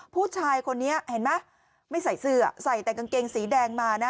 ผู้ชายคนนี้เห็นไหมไม่ใส่เสื้อใส่แต่กางเกงสีแดงมานะ